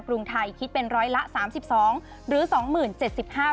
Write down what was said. กรุงไทยคิดเป็นร้อยละสามสิบสองหรือสองหมื่นเจ็ดสิบห้า